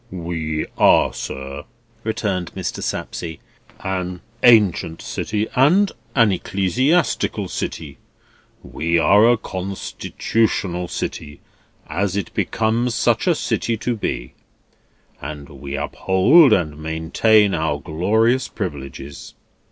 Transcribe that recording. "We are, sir," returned Mr. Sapsea, "an ancient city, and an ecclesiastical city. We are a constitutional city, as it becomes such a city to be, and we uphold and maintain our glorious privileges."